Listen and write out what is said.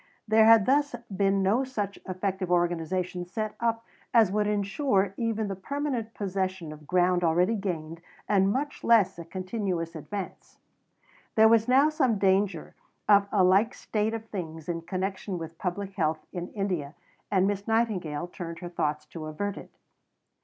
There had thus been no such effective organization set up as would ensure even the permanent possession of ground already gained and much less a continuous advance. There was now some danger of a like state of things in connection with Public Health in India, and Miss Nightingale turned her thoughts to avert it.